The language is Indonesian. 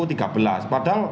padahal yang meninggal